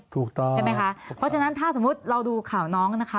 ถูกต้องใช่ไหมคะเพราะฉะนั้นถ้าสมมุติเราดูข่าวน้องนะคะ